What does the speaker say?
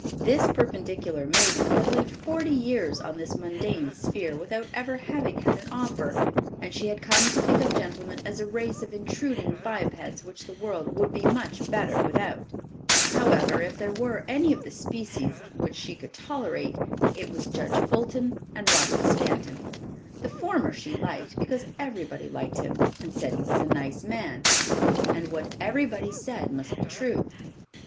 This perpendicular maiden had lived forty years on this mundane sphere without ever having had an offer, and she had come to think of gentlemen as a race of intruding bipeds which the world would be much better without. However, if there were any of the species which she could tolerate, it was Judge Fulton and Robert Stanton. The former she liked, because everybody liked him, and said he was a "nice man, and what everybody said must be true."